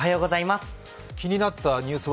気になったニュース